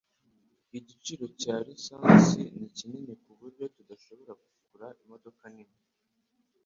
Igiciro cya lisansi ni kinini kuburyo tudashobora kugura imodoka nini